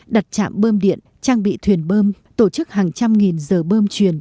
đặt trạm bơm điện trang bị thuyền bơm tổ chức hàng trăm nghìn giờ bơm truyền